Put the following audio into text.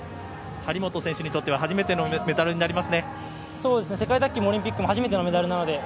張本選手にとっては初めてのメダルですね。